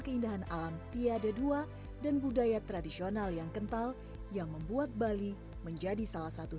keindahan alam tiada dua dan budaya tradisional yang kental yang membuat bali menjadi salah satu